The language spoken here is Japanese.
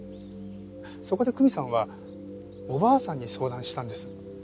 そこで久美さんはおばあさんに相談したんです。